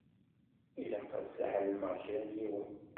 Ilaq ad sɛelmeɣ kra n yiwen.